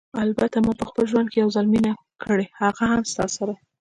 البته ما په خپل ژوند کې یو ځل مینه کړې، هغه هم ستا سره.